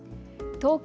東京